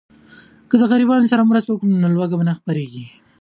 که غریبانو سره مرسته وکړو نو لوږه نه خپریږي.